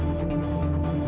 aku mau ke rumah